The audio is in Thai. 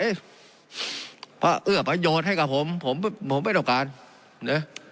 เอ๊ะเพราะเอื้อประโยชน์ให้กับผมผมผมไม่ต้องการเนี้ย